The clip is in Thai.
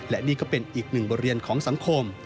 และนี่ก็เป็นอีกหนึ่งบทเรียนของสังคม